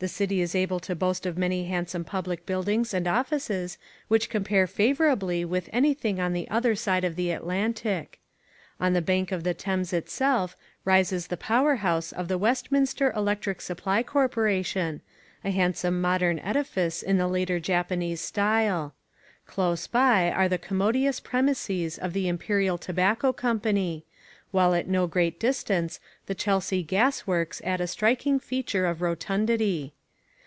The city is able to boast of many handsome public buildings and offices which compare favourably with anything on the other side of the Atlantic. On the bank of the Thames itself rises the power house of the Westminster Electric Supply Corporation, a handsome modern edifice in the later Japanese style. Close by are the commodious premises of the Imperial Tobacco Company, while at no great distance the Chelsea Gas Works add a striking feature of rotundity.